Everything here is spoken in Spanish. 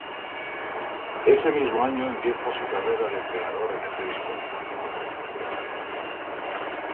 Ese mismo año empieza su carrera de entrenador en el Bristol.